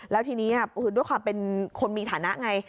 แล้วทีนี้ด้วยความเป็นคนมีฐานะไง